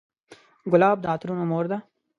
ګلاب د عطرونو مور ده.